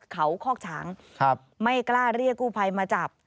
เขาคอกช้างไม่กล้าเรียกกู้ภัยมาจับ